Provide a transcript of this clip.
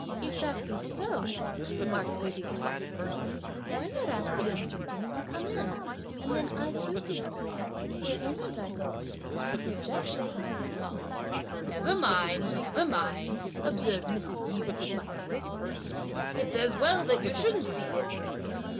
"If that be so," remarked lady Feng, "why not ask the young gentleman to come in, and then I too can see him. There isn't, I hope, any objection to my seeing him?" "Never mind! never mind!" observed Mrs. Yu, smilingly; "it's as well that you shouldn't see him.